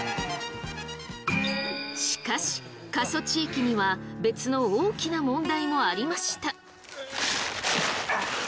しかし過疎地域には別の大きな問題もありました。